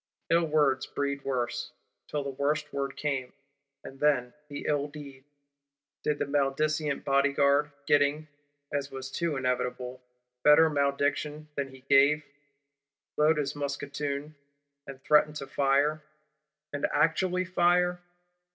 Ill words breed worse: till the worst word came; and then the ill deed. Did the maledicent Bodyguard, getting (as was too inevitable) better malediction than he gave, load his musketoon, and threaten to fire; and actually fire?